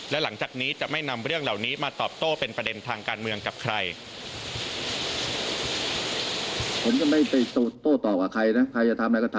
และหลังจากนี้จะไม่นำเรื่องเหล่านี้มาตอบโต้เป็นประเด็นทางการเมืองกับใคร